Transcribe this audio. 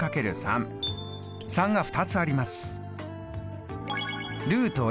３が２つあります。